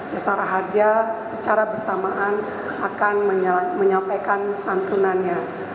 jasara harja secara bersamaan akan menyampaikan santunannya